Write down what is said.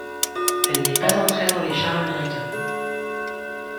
Elle n'est pas entrée dans les charts américains.